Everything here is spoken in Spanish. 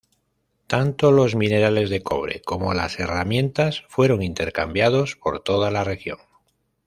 Tanto los minerales de cobre como las herramientas fueron intercambiados por toda la región.